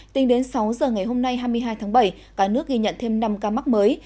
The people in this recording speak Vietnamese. tính đến sáu giờ ngày hôm nay hai mươi hai tháng bảy cả nước ghi nhận thêm năm ca mắc mới